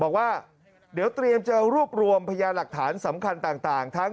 บอกว่าเดี๋ยวเตรียมจะรวบรวมพยาหลักฐานสำคัญต่างทั้ง